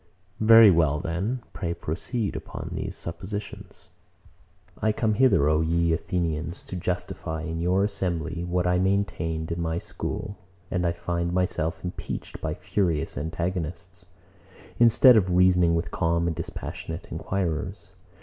Very well: Pray proceed upon these suppositions. 104. I come hither, O ye Athenians, to justify in your assembly what I maintained in my school, and I find myself impeached by furious antagonists, instead of reasoning with calm and dispassionate enquirers.